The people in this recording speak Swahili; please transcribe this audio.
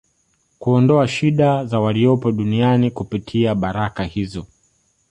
kuondoa shida za waliopo duniani kupitia baraka hizo